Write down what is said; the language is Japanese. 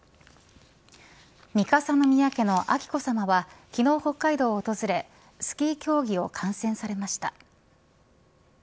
三笠宮家の彬子さまは昨日北海道を訪れスキー競技を観戦されました。